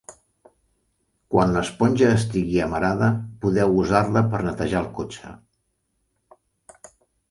Quan l'esponja estigui amarada, podeu usar-la per netejar el cotxe.